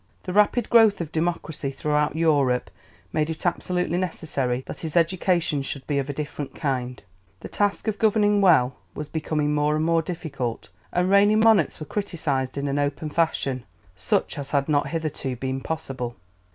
The rapid growth of democracy throughout Europe made it absolutely necessary that his education should be of a different kind. The task of governing well was becoming more and more difficult, and reigning monarchs were criticized in an open fashion, such as had not hitherto been possible.